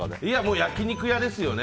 焼き肉屋ですよね。